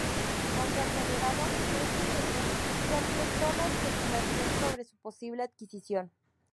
Con su acelerado crecimiento, se alimentó la especulación sobre su posible adquisición.